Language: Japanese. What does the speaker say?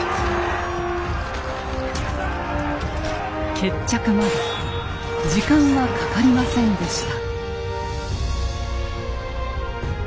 決着まで時間はかかりませんでした。